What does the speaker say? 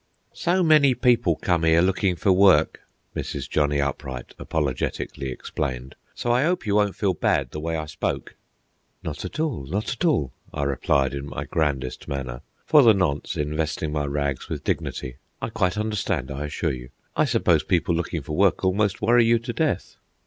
"So many people come 'ere lookin' for work," Mrs. Johnny Upright apologetically explained. "So I 'ope you won't feel bad the way I spoke." "Not at all, not at all," I replied in my grandest manner, for the nonce investing my rags with dignity. "I quite understand, I assure you. I suppose people looking for work almost worry you to death?"